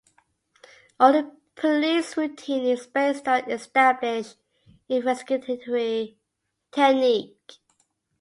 Only the police routine is based on established investigatory technique.